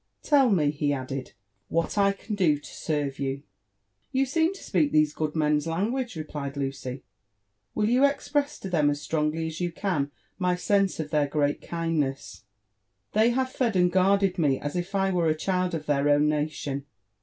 "Tell me," he added, "what I can do to serve you*' "You seem to speak these good men's language," replied Lucy. "Will you express to them, as strongly as you can, my sense of their great kindness : they have fed and guarded me as if I were a child of their own natioq."